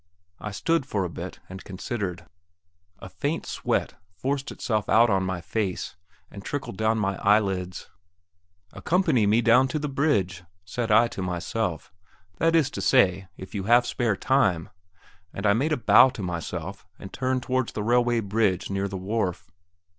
I stood for a bit and considered. A faint sweat forced itself out on my face, and trickled down my eyelids. Accompany me down to the bridge, said I to myself that is to say, if you have spare time! and I made a bow to myself, and turned towards the railway bridge near the wharf.